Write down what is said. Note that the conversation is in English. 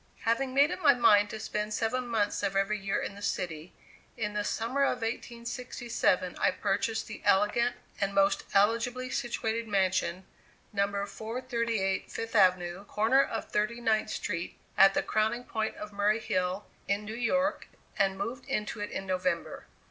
Having made up my mind to spend seven months of every year in the city, in the summer of 1867 I purchased the elegant and most eligibly situated mansion, No. 438 Fifth Avenue, corner of Thirty ninth Street, at the crowning point of Murray Hill, in New York, and moved into it in November.